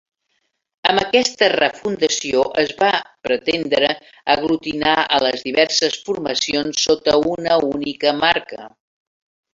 Amb aquesta refundació es va pretendre aglutinar a les diverses formacions sota una única marca.